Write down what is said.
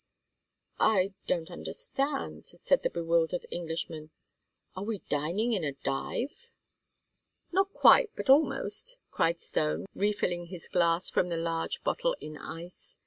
"I don't understand," said the bewildered Englishman. "Are we dining in a dive?" "Not quite, but almost!" cried Stone, refilling his glass from the large bottle in ice.